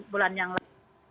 bulan yang lain